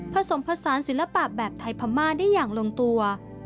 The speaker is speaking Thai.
ผสมผสานศิลปะแบบไทยพม่าได้อย่างลงตัว